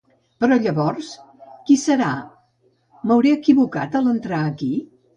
Però llavors, qui serà, m'hauré equivocat a l'entrar aquí?